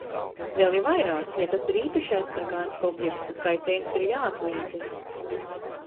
Vēl jo vairāk, ja tas ir īpaši aizsargājams objekts, tad kaitējums ir jāatlīdzina.